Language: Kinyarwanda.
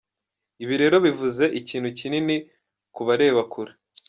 Ibi rero bivuze ikintu kinini kubareba kure.